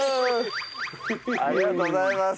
ありがとうございます！